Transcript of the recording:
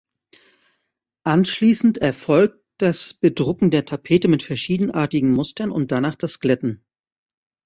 Anschließend erfolgt das Bedrucken der Tapete mit verschiedenartigen Mustern und danach das Glätten.